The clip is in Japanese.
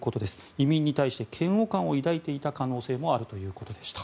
移民に対して嫌悪感を抱いていた可能性もあるということでした。